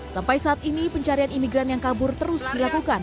sampai saat ini pencarian imigran yang kabur terus dilakukan